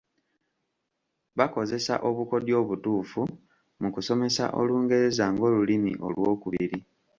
Bakozesa obukodyo obutuufu mu kusomesa Olungereza ng’olulimi olw’okubiri.